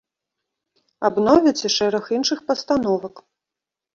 Абновяць і шэраг іншых пастановак.